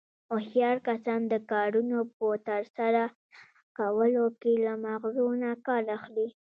هوښیار کسان د کارنو په ترسره کولو کې له مغزو نه کار اخلي.